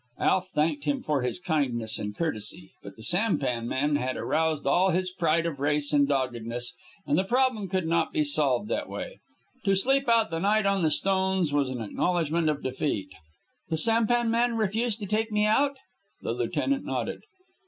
Alf thanked him for his kindness and courtesy; but the sampan men had aroused all his pride of race and doggedness, and the problem could not be solved that way. To sleep out the night on the stones was an acknowledgment of defeat. "The sampan men refuse to take me out?" The lieutenant nodded.